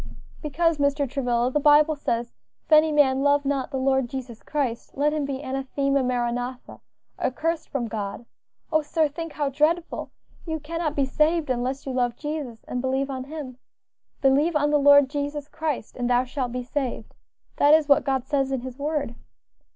"Because, Mr. Travilla, the Bible says, 'If any man love not the Lord Jesus Christ, let him be anathema, maranatha,' accursed from God. Oh! sir, think how dreadful! You cannot be saved unless you love Jesus, and believe on Him. 'Believe on the Lord Jesus Christ, and thou shalt be saved.' That is what God says in his word."